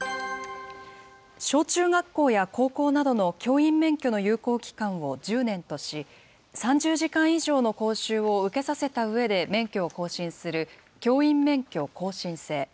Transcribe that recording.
小中学校や高校などの教員免許の有効期間を１０年とし、３０時間以上の講習を受けさせたうえで免許を更新する教員免許更新制。